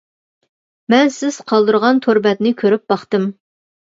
مەن سىز قالدۇرغان تور بەتنى كۆرۈپ باقتىم.